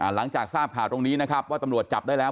หลังจากทราบข่าวตรงนี้นะครับว่าตำรวจจับได้แล้ว